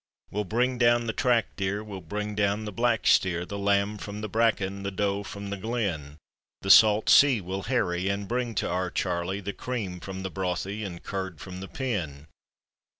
We'll bring down the track deer, we'll bring down the black steer, The lamb from the breckan, the doe from the glen; The salt sea we'll harry, and bring to our Charlie, The cream from the brothy, and curd from the pen.